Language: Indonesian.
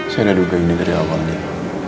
saya udah duka ini dari awal nek